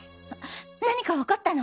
何か分かったの！？